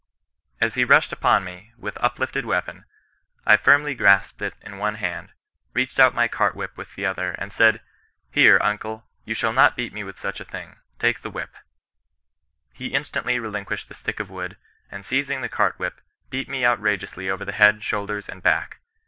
As he rushed upon me, with uplifted weapon, I firmly grasped it with one hand, reached out my cart whip with the other, and said :' Here, uncle, you shall not beat me with such a thing — ^take the whip.* He instantly relinquished the stick of wood, and seizing the cart whip, beat me outrageously over the head, shoulders, and back.